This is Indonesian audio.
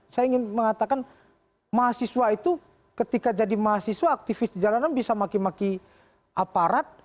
saya ingin mengatakan mahasiswa itu ketika jadi mahasiswa aktivis di jalanan bisa maki maki aparat